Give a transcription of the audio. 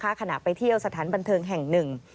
ขณะไปเที่ยวสถานบันเทิงแห่งหนึ่ง